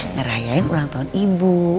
ngerayain ulang tahun ibu